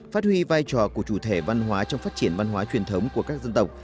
phát huy vai trò của chủ thể văn hóa trong phát triển văn hóa truyền thống của các dân tộc